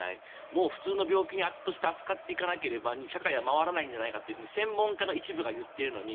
もう普通の病気として扱っていかなければ社会は回らないんじゃないかと専門家の一部が言っているのに